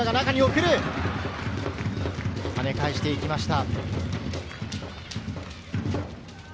跳ね返していきました。